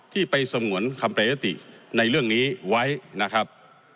ที่ไปสงวนคำแปรยติในเรื่องนี้ไว้นะครับ